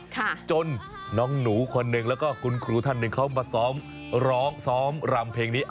จนน้องหนูคนหนึ่งแล้วก็คุณครูท่านหนึ่งเขามาซ้อมร้องซ้อมรำเพลงนี้